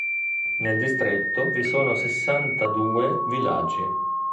Nel distretto vi sono sessantadue villaggi.